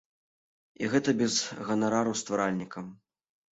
І гэта без ганарару стваральнікам.